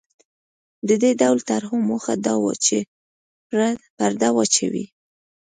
د دې ډول طرحو موخه دا وه چې پرده واچوي.